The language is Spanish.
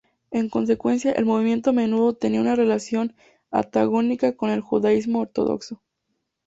En consecuencia, el movimiento a menudo tenía una relación antagónica con el judaísmo ortodoxo.